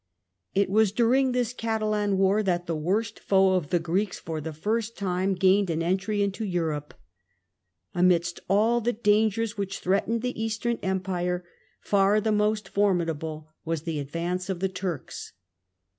It was during this Catalan War that the worst foe of the Greeks for the first time gained an entry into Europe. Amidst all the dangers which threatened the Eastern Empire, far the most for midable was the advance of the Turks.